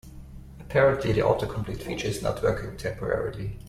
Apparently, the autocomplete feature is not working temporarily.